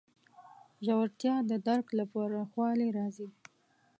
ژورتیا د درک له پراخوالي راځي.